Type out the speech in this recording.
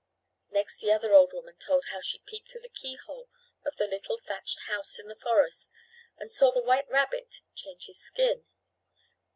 Next the other old woman told how she peeped through the keyhole of the little thatched house in the forest and saw the white rabbit change his skin.